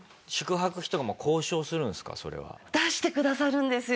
出してくださるんですよ。